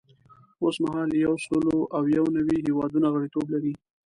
اوس مهال یو سل او یو نوي هیوادونه غړیتوب لري.